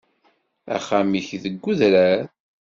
Axxam-ik deg udrar.